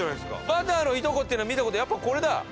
バターのいとこっていうのはやっぱこれだ！